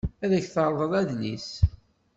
Ad ak-terḍel adlis.